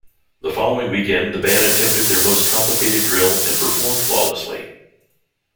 The following weekend the band attempted their most complicated drill and performed flawlessly.